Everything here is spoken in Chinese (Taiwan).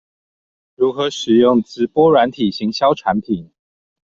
如何使用直播軟體行銷產品